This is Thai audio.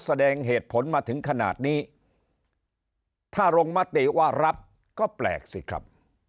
แสดงเหตุผลมาถึงขนาดนี้ถ้าลงมติว่ารับก็แปลกสิครับ